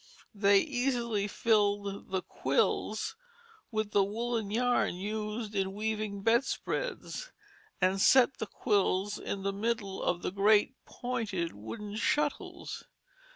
They easily filled the "quills" with the woollen yarn used in weaving bedspreads and set the quills in the middle of the great pointed wooden shuttles.